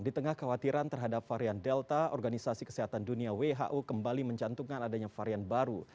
di tengah khawatiran terhadap varian delta organisasi kesehatan dunia who kembali mencantumkan adanya varian baru